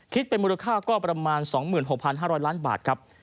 คิดเป็นมูลค่าก็ประมาณ๒๖๕๐๐ล้านบาทครับ